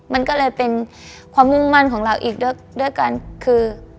มันก็เลยเป็นความมุ่งมั่นของเราอีกด้วยด้วยกันคือ